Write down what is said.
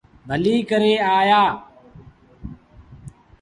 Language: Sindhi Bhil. ڀليٚ ڪري آيآ۔